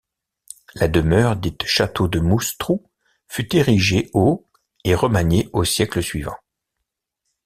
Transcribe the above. La demeure, dite château de Moustrou, fut érigée au et remaniée aux siècles suivants.